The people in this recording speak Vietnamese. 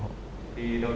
thì đầu tiên